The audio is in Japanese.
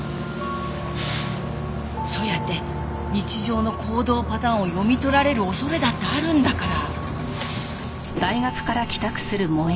そうやって日常の行動パターンを読み取られる恐れだってあるんだから。